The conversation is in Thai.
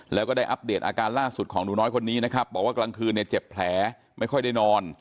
แล้วก็ได้อัปเดตอาการล่าสุดของหนูน้อยคนนี้นะครับบอกว่ากลางคืนเนี่ยเจ็บแผลไม่ค่อยได้นอน